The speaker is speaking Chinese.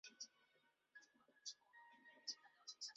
小距紫堇为罂粟科紫堇属下的一个种。